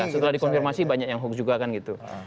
setelah dikonfirmasi banyak yang hoax juga kan gitu